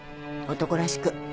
男らしく。